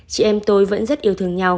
chị em tôi vẫn rất yêu thương nhau